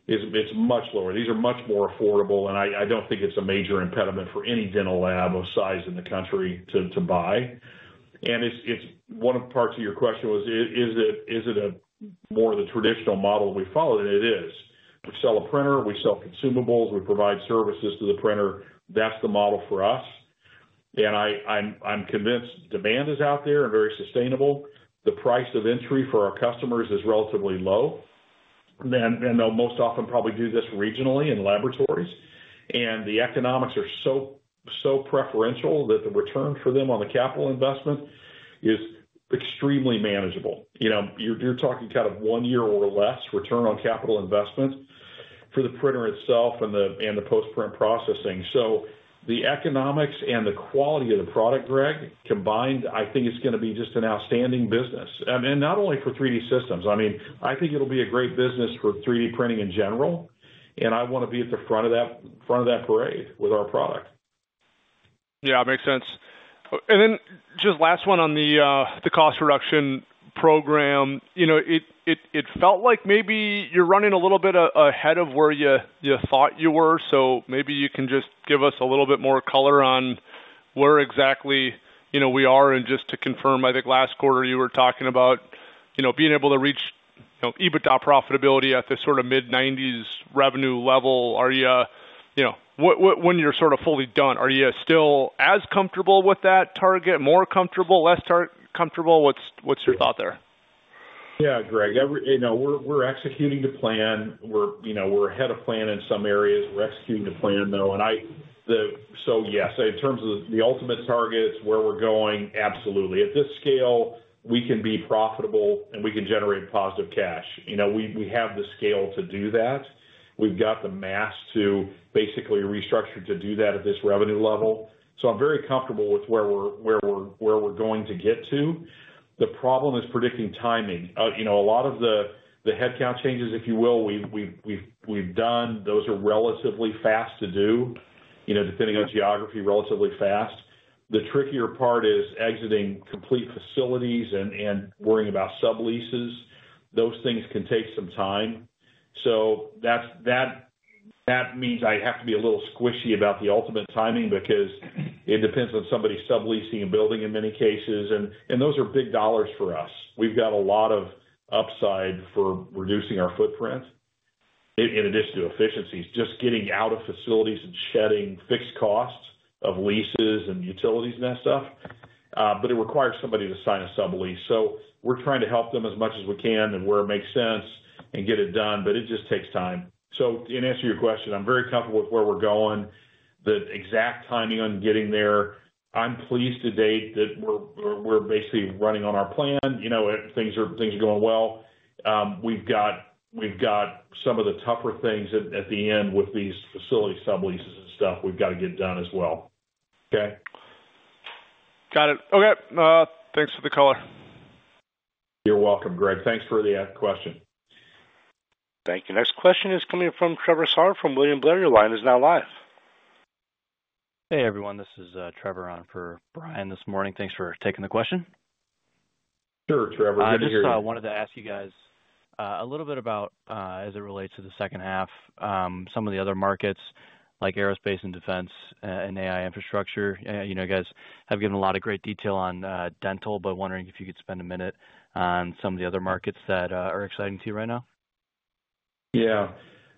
It's much lower. These are much more affordable, and I don't think it's a major impediment for any dental lab of size in the country to buy. One of the parts of your question was, is it more of the traditional model that we followed? It is. We sell a printer. We sell consumables. We provide services to the printer. That's the model for us. I'm convinced demand is out there and very sustainable. The price of entry for our customers is relatively low. They'll most often probably do this regionally in laboratories. The economics are so preferential that the return for them on the capital investment is extremely manageable. You're talking kind of one year or less return on capital investment for the printer itself and the post-print processing. The economics and the quality of the product, Greg, combined, I think it's going to be just an outstanding business. Not only for 3D Systems. I think it'll be a great business for 3D printing in general. I want to be at the front of that parade with our product. Yeah, it makes sense. Just last one on the cost reduction program. It felt like maybe you're running a little bit ahead of where you thought you were. Maybe you can just give us a little bit more color on where exactly we are. Just to confirm, I think last quarter you were talking about being able to reach EBITDA profitability at this sort of mid-90s revenue level. Are you, when you're sort of fully done, still as comfortable with that target, more comfortable, less comfortable? What's your thought there? Yeah, Greg. We're executing to plan. We're ahead of plan in some areas. We're executing to plan, though. Yes, in terms of the ultimate targets, where we're going, absolutely. At this scale, we can be profitable and we can generate positive cash. We have the scale to do that. We've got the mass to basically restructure to do that at this revenue level. I'm very comfortable with where we're going to get to. The problem is predicting timing. A lot of the headcount changes we've done are relatively fast to do, depending on geography, relatively fast. The trickier part is exiting complete facilities and worrying about subleases. Those things can take some time. That means I have to be a little squishy about the ultimate timing because it depends on somebody subleasing a building in many cases. Those are big dollars for us. We've got a lot of upside for reducing our footprint in addition to efficiencies, just getting out of facilities and shedding fixed costs of leases and utilities and that stuff, but it requires somebody to sign a sub-lease. We're trying to help them as much as we can and where it makes sense and get it done, but it just takes time. In answer to your question, I'm very comfortable with where we're going, the exact timing on getting there. I'm pleased to date that we're basically running on our plan. Things are going well. We've got some of the tougher things at the end with these facility subleases and stuff we've got to get done as well. Okay? Got it. Okay. Thanks for the color. You're welcome, Greg. Thanks for the question. Thank you. Next question is coming from Trevor Saar from William Blair. Your line is now live. Hey, everyone. This is Trevor on for Brian Drab this morning. Thanks for taking the question. Sure, Trevor. Good to hear. I just wanted to ask you guys a little bit about, as it relates to the second half, some of the other markets like aerospace and defense and AI infrastructure. You know, you guys have given a lot of great detail on dental, but wondering if you could spend a minute on some of the other markets that are exciting to you right now. Yeah.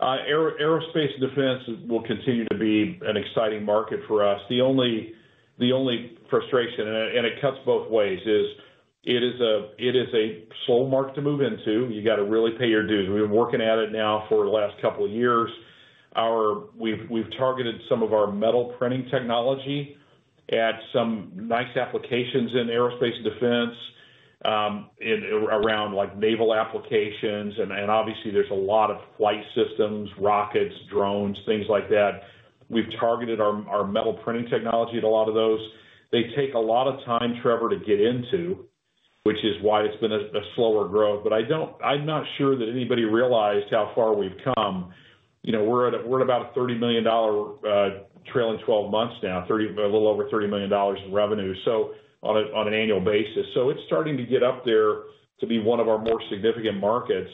Aerospace and defense will continue to be an exciting market for us. The only frustration, and it cuts both ways, is it is a slow market to move into. You got to really pay your dues. We've been working at it now for the last couple of years. We've targeted some of our metal printing technology at some nice applications in aerospace and defense, in around like naval applications. Obviously, there's a lot of flight systems, rockets, drones, things like that. We've targeted our metal printing technology at a lot of those. They take a lot of time, Trevor, to get into, which is why it's been a slower growth. I'm not sure that anybody realized how far we've come. We're at about a $30 million trailing 12 months now, a little over $30 million in revenue, so on an annual basis. It's starting to get up there to be one of our more significant markets.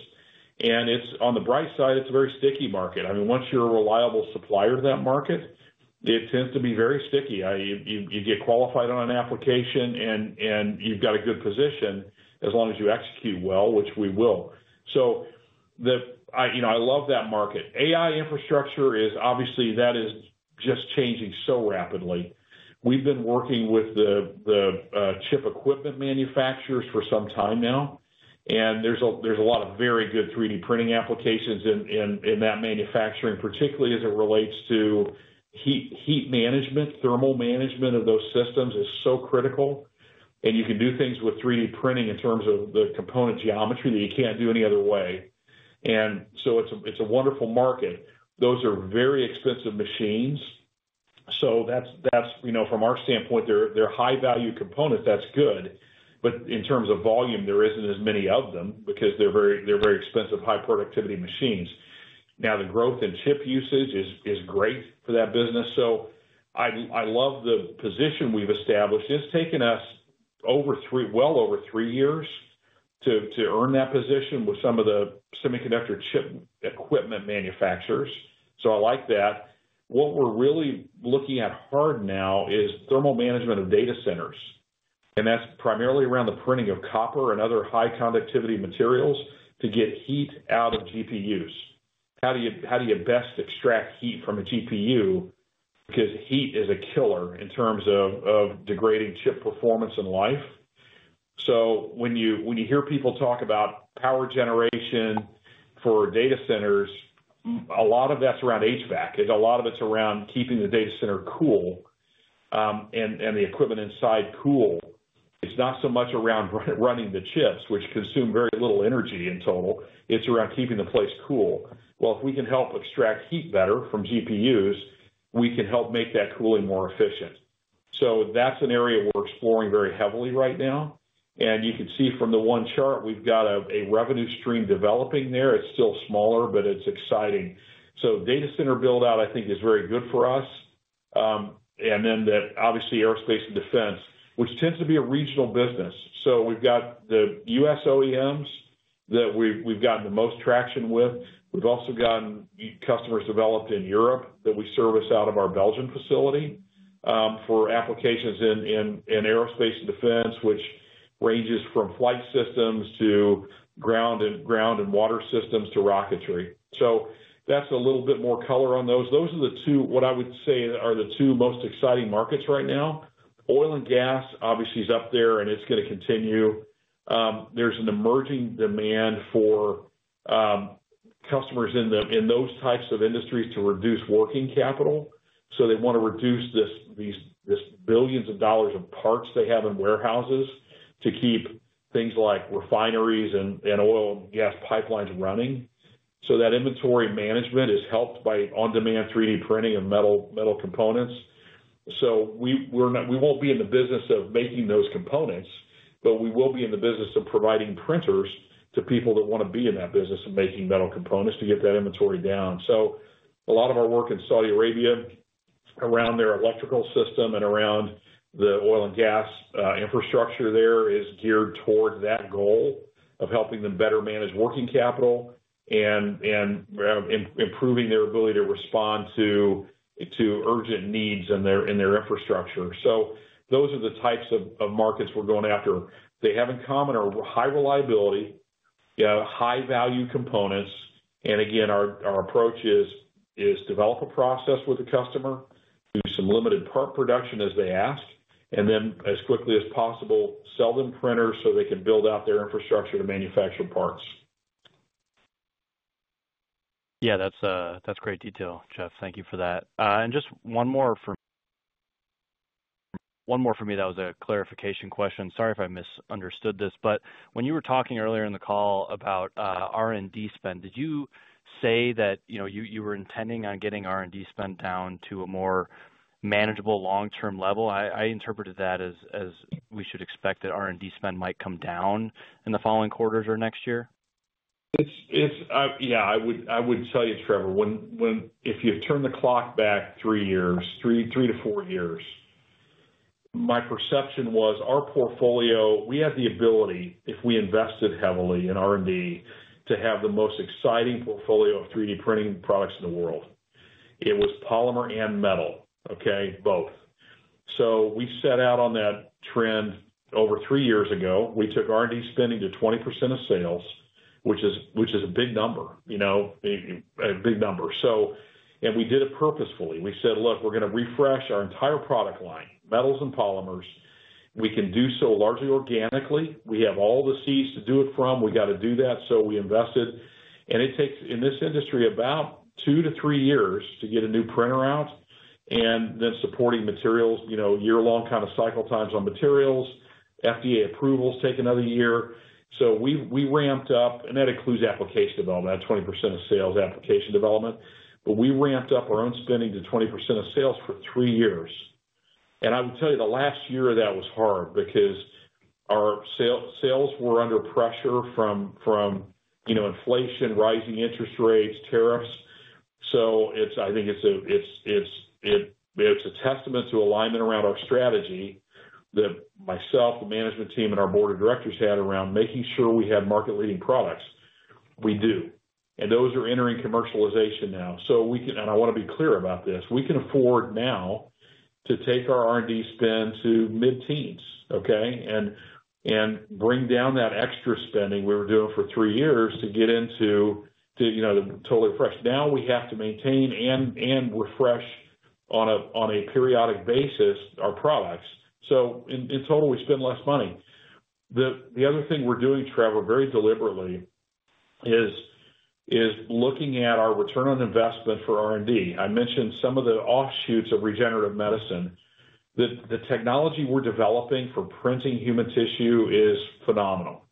On the bright side, it's a very sticky market. I mean, once you're a reliable supplier to that market, it tends to be very sticky. You get qualified on an application, and you've got a good position as long as you execute well, which we will. I love that market. AI infrastructure is obviously, that is just changing so rapidly. We've been working with the chip equipment manufacturers for some time now. There's a lot of very good 3D printing applications in that manufacturing, particularly as it relates to heat management. Thermal management of those systems is so critical. You can do things with 3D printing in terms of the component geometry that you can't do any other way. It's a wonderful market. Those are very expensive machines. From our standpoint, they're high-value components. That's good. In terms of volume, there isn't as many of them because they're very expensive, high-productivity machines. The growth in chip usage is great for that business. I love the position we've established. It's taken us well over three years to earn that position with some of the semiconductor chip equipment manufacturers. I like that. What we're really looking at hard now is thermal management of data centers. That's primarily around the printing of copper and other high-conductivity materials to get heat out of GPUs. How do you best extract heat from a GPU? Because heat is a killer in terms of degrading chip performance and life. When you hear people talk about power generation for data centers, a lot of that's around HVAC. A lot of it's around keeping the data center cool, and the equipment inside cool. It's not so much around running the chips, which consume very little energy in total. It's around keeping the place cool. If we can help extract heat better from GPUs, we can help make that cooling more efficient. That's an area we're exploring very heavily right now. You can see from the one chart, we've got a revenue stream developing there. It's still smaller, but it's exciting. Data center build-out, I think, is very good for us. The aerospace and defense, which tends to be a regional business, is also important. We've got the U.S. OEMs that we've gotten the most traction with. We've also gotten customers developed in Europe that we service out of our Belgian facility, for applications in aerospace and defense, which ranges from flight systems to ground and water systems to rocketry. That's a little bit more color on those. Those are the two, what I would say, are the two most exciting markets right now. Oil and gas, obviously, is up there, and it's going to continue. There's an emerging demand for customers in those types of industries to reduce working capital. They want to reduce these billions of dollars of parts they have in warehouses to keep things like refineries and oil and gas pipelines running. That inventory management is helped by on-demand 3D printing of metal components. We won't be in the business of making those components, but we will be in the business of providing printers to people that want to be in that business of making metal components to get that inventory down. A lot of our work in Saudi Arabia around their electrical system and around the oil and gas infrastructure there is geared towards that goal of helping them better manage working capital and improving their ability to respond to urgent needs in their infrastructure. Those are the types of markets we're going after. They have in common high reliability, high-value components. Our approach is to develop a process with the customer, do some limited part production as they ask, and then as quickly as possible, sell them printers so they can build out their infrastructure to manufacture parts. Yeah, that's great detail, Jeff. Thank you for that. Just one more for me that was a clarification question. Sorry if I misunderstood this, but when you were talking earlier in the call about R&D spend, did you say that you were intending on getting R&D spend down to a more manageable long-term level? I interpreted that as we should expect that R&D spend might come down in the following quarters or next year. Yeah, I would tell you, Trevor, if you have turned the clock back three years, three-four years, my perception was our portfolio, we have the ability, if we invested heavily in R&D, to have the most exciting portfolio of 3D printing products in the world. It was polymer and metal, both. We set out on that trend over three years ago. We took R&D spending to 20% of sales, which is a big number, you know, a big number. We did it purposefully. We said, "Look, we're going to refresh our entire product line, metals and polymers. We can do so largely organically. We have all the seeds to do it from. We got to do that." We invested. It takes in this industry about two to three years to get a new printer out and then supporting materials, year-long kind of cycle times on materials. FDA approvals take another year. We ramped up, and that includes application development, that 20% of sales application development. We ramped up our own spending to 20% of sales for three years. I can tell you the last year of that was hard because our sales were under pressure from inflation, rising interest rates, tariffs. I think it's a testament to alignment around our strategy that myself, the management team, and our board of directors had around making sure we had market-leading products. We do. Those are entering commercialization now. I want to be clear about this, we can afford now to take our R&D spend to mid-teens, and bring down that extra spending we were doing for three years to get into the totally refresh. Now we have to maintain and refresh on a periodic basis our products. In total, we spend less money. The other thing we're doing, Trevor, very deliberately is looking at our return on investment for R&D. I mentioned some of the offshoots of regenerative medicine. The technology we're developing for printing human tissue is phenomenal.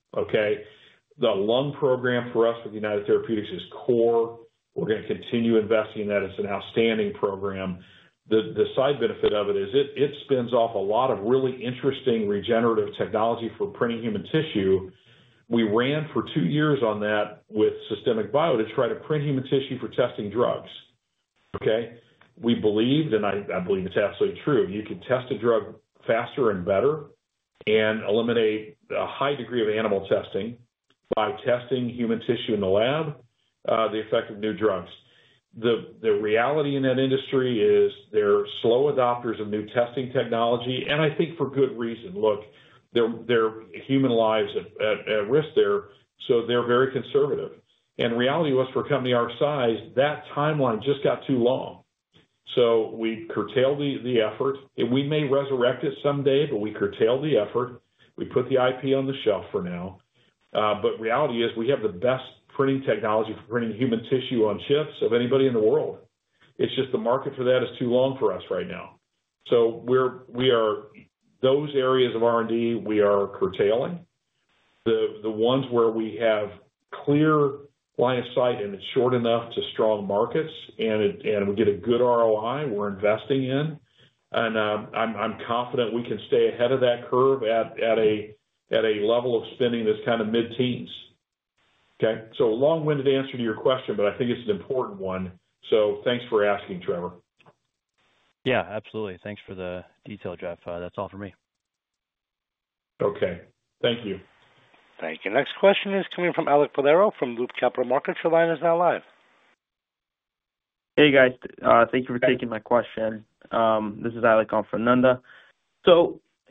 The lung program for us with United Therapeutics is core. We're going to continue investing in that. It's an outstanding program. The side benefit of it is it spins off a lot of really interesting regenerative technology for printing human tissue. We ran for two years on that with Systemic Bio to try to print human tissue for testing drugs. We believed, and I believe it's absolutely true, you could test a drug faster and better and eliminate a high degree of animal testing by testing human tissue in the lab, the effect of new drugs. The reality in that industry is they're slow adopters of new testing technology, and I think for good reason. Look, their human lives are at risk there, so they're very conservative. The reality was for a company our size, that timeline just got too long. We curtailed the effort. We may resurrect it someday, but we curtailed the effort. We put the IP on the shelf for now, but the reality is we have the best printing technology for printing human tissue on chips of anybody in the world. It's just the market for that is too long for us right now. We are those areas of R&D we are curtailing. The ones where we have clear line of sight and it's short enough to strong markets and we get a good ROI we're investing in. I'm confident we can stay ahead of that curve at a level of spending that's kind of mid-teens. Okay. A long-winded answer to your question, but I think it's an important one. Thanks for asking, Trevor. Yeah, absolutely. Thanks for the detailed, Jeff. That's all for me. Okay, thank you. Thank you. Next question is coming from Ananda Baruah from Loop Capital Markets. Your line is now live. Hey, guys. Thank you for taking my question. This is Alek on Ananda.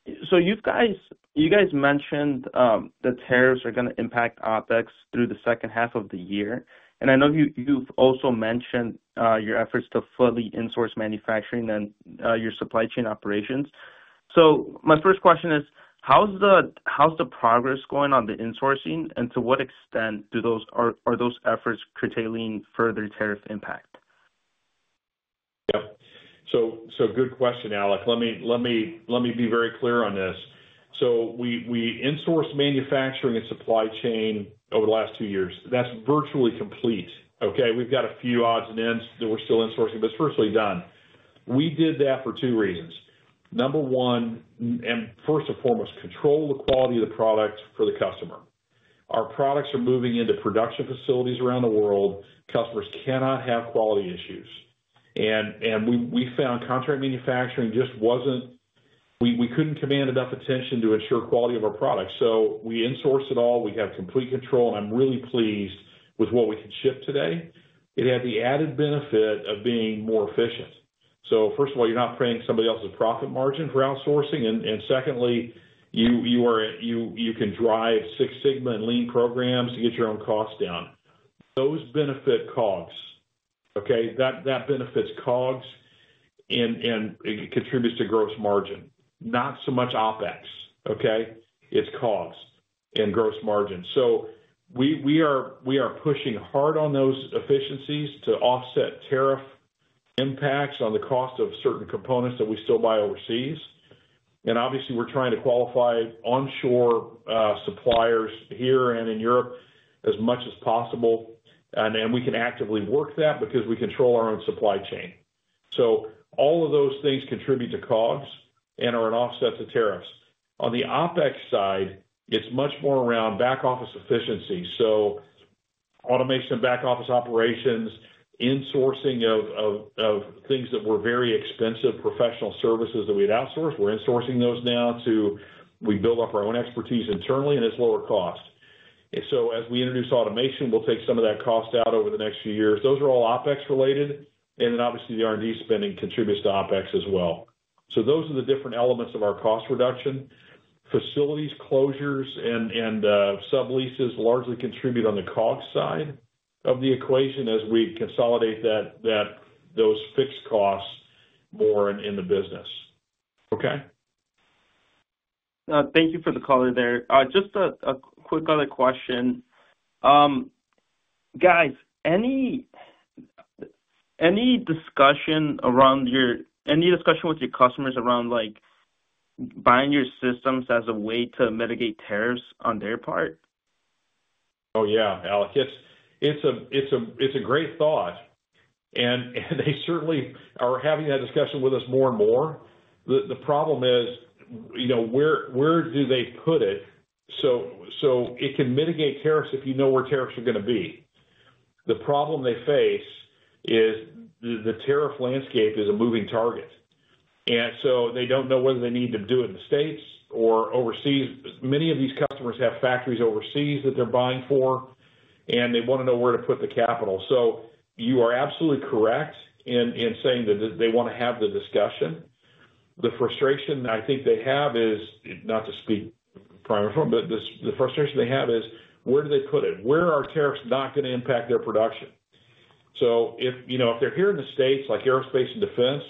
You guys mentioned the tariffs are going to impact OpEx through the second half of the year. I know you've also mentioned your efforts to fully insource manufacturing and your supply chain operations. My first question is, how's the progress going on the insourcing? To what extent are those efforts curtailing further tariff impact? Yeah. Good question, Alek. Let me be very clear on this. We insourced manufacturing and supply chain over the last two years. That's virtually complete, okay? We've got a few odds and ends that we're still insourcing, but it's virtually done. We did that for two reasons. Number one, and first and foremost, control the quality of the product for the customer. Our products are moving into production facilities around the world. Customers cannot have quality issues. We found contract manufacturing just wasn't—we couldn't command enough attention to ensure quality of our product. We insourced it all. We have complete control, and I'm really pleased with what we can ship today. It had the added benefit of being more efficient. First of all, you're not paying somebody else's profit margin for outsourcing. Secondly, you can drive Six Sigma and lean programs to get your own costs down. Those benefit COGS, okay? That benefits COGS and contributes to gross margin, not so much OpEx, okay? It's COGS and gross margin. We are pushing hard on those efficiencies to offset tariff impacts on the cost of certain components that we still buy overseas. Obviously, we're trying to qualify onshore suppliers here and in Europe as much as possible. We can actively work that because we control our own supply chain. All of those things contribute to COGS and are offsets of tariffs. On the OpEx side, it's much more around back-office efficiency. Automation and back-office operations, insourcing of things that were very expensive professional services that we had outsourced—we're insourcing those now to build up our own expertise internally, and it's lower cost. As we introduce automation, we'll take some of that cost out over the next few years. Those are all OpEx-related. Obviously, the R&D spending contributes to OpEx as well. Those are the different elements of our cost reduction. Facilities closures and subleases largely contribute on the COGS side of the equation as we consolidate those fixed costs more in the business. Okay? Thank you for the color. Just a quick other question. Guys, any discussion with your customers around buying your systems as a way to mitigate tariffs on their part? Oh, yeah, Alek. It's a great thought. They certainly are having that discussion with us more and more. The problem is, you know, where do they put it? It can mitigate tariffs if you know where tariffs are going to be. The problem they face is the tariff landscape is a moving target, and they don't know whether they need to do it in the United States or overseas. Many of these customers have factories overseas that they're buying for, and they want to know where to put the capital. You are absolutely correct in saying that they want to have the discussion. The frustration that I think they have is not to speak primarily for them, but the frustration they have is where do they put it? Where are tariffs not going to impact their production? If they're here in the States, like aerospace and defense,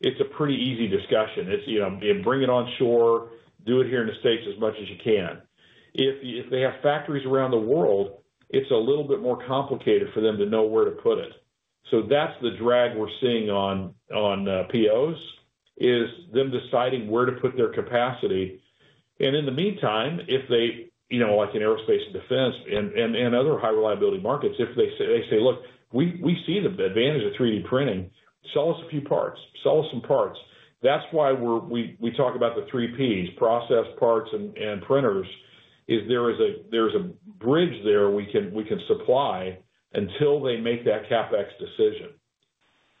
it's a pretty easy discussion. It's, you know, bring it onshore, do it here in the United States as much as you can. If they have factories around the world, it's a little bit more complicated for them to know where to put it. That's the drag we're seeing on POs, is them deciding where to put their capacity. In the meantime, if they, you know, like in aerospace and defense and other high-reliability markets, if they say, "Look, we see the advantage of 3D printing. Sell us a few parts. Sell us some parts." That's why we talk about the three Ps, process, parts, and printers. If there is a bridge there, we can supply until they make that CapEx decision.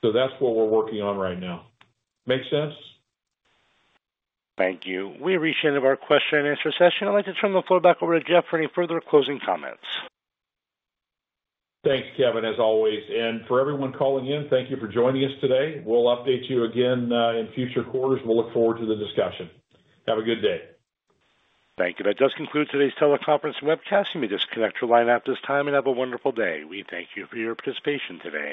That's what we're working on right now. Makes sense? Thank you. We appreciate it. Our question and answer session. I'd like to turn the floor back over to Jeff for any further closing comments. Thanks, Kevin, as always. For everyone calling in, thank you for joining us today. We'll update you again in future quarters. We look forward to the discussion. Have a good day. Thank you. That does conclude today's teleconference webcast. You may disconnect your line at this time and have a wonderful day. We thank you for your participation today.